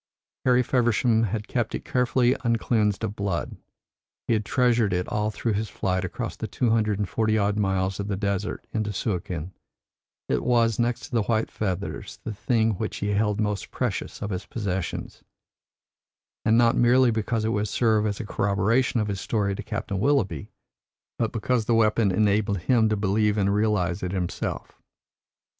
Harry Feversham had kept it carefully uncleansed of blood; he had treasured it all through his flight across the two hundred and forty odd miles of desert into Suakin; it was, next to the white feathers, the thing which he held most precious of his possessions, and not merely because it would serve as a corroboration of his story to Captain Willoughby, but because the weapon enabled him to believe and realise it himself.